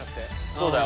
そうだよ。